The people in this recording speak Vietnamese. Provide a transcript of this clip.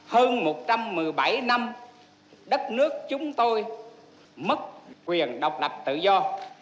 hơn một trăm một mươi bảy năm đất nước chúng tôi mất quyền độc lập tự do